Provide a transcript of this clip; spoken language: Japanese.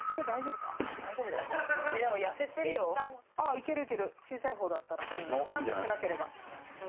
いけるいける、小さい方だったら、ジャンプしなければ。